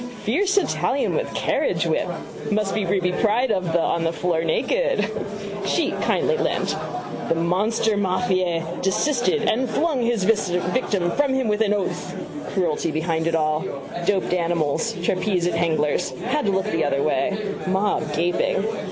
Fierce Italian with carriagewhip. Must be Ruby pride of the on the floor naked. Sheet kindly lent. The monster Maffei desisted and flung his victim from him with an oath. Cruelty behind it all. Doped animals. Trapeze at Hengler's. Had to look the other way. Mob gaping.